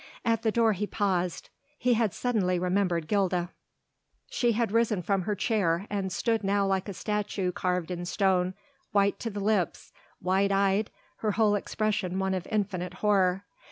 At the door he paused. He had suddenly remembered Gilda. She had risen from her chair and stood now like a statue carved in stone, white to the lips, wide eyed, her whole expression one of infinite horror.